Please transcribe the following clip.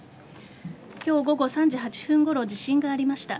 今日午後３時８分ごろ地震がありました。